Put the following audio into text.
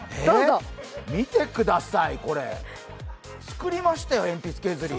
見てください、これ、作りましたよ、鉛筆削り。